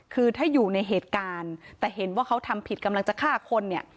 คือถ้าอยู่ในเหตุการณ์แต่เห็นว่าเขาทำผิดกำลังจะฆ่าคนเนี่ย